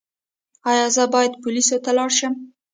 ایا زه باید پولیسو ته لاړ شم؟